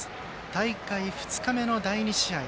大会２日目の第２試合。